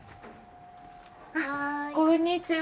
こんにちは。